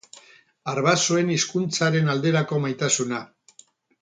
Arbasoen hizkuntzaren alderako maitasuna.